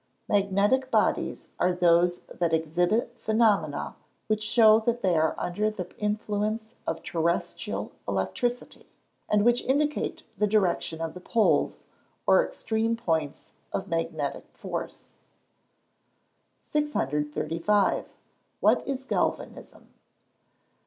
_ Magnetic bodies are those that exhibit phenomena which show that they are under the influence of terrestrial electricity, and which indicate the direction of the poles, or extreme points, of magnetic force. 635. _What is Galvanism?